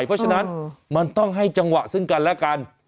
เพราะฉะนั้นมันต้องให้จังหวะซึ่งกันและกัน